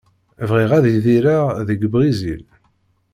Bɣiɣ ad idireɣ deg Brizil.